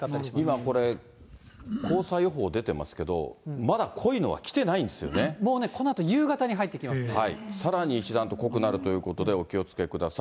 今、これ、黄砂予報出てますけど、もうね、このあと夕方に入っさらに一段と濃くなるということで、お気をつけください。